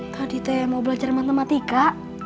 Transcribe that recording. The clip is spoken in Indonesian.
tadi teh mau belajar matematika